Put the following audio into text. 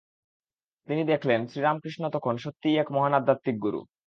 তিনি দেখলেন, শ্রীরামকৃষ্ণ তখন সত্যিই এক মহান আধ্যাত্মিক গুরু।